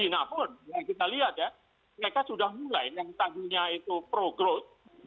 nah pun yang kita lihat ya mereka sudah mulai yang tadinya itu pro growth